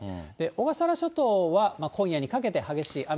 小笠原諸島は今夜にかけて激しい雨。